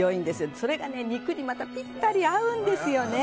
それが肉にまたピッタリ合うんですよね。